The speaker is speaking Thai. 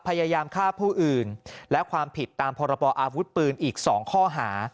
พยายามฆ่าผู้อื่นและความผิดตามพรบอาวุธปืนอีก๒ข้อหา